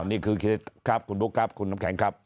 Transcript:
นี่คือเคสครับคุณบุ๊คครับคุณน้ำแข็งครับ